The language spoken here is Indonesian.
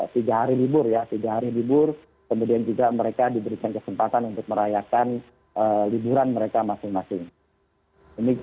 tiga hari libur ya tiga hari libur kemudian juga mereka diberikan kesempatan untuk merayakan liburan mereka masing masing